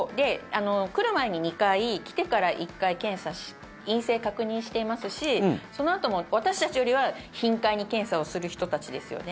来る前に２回、来てから１回陰性確認していますしそのあとも、私たちよりは頻回に検査をする人たちですよね。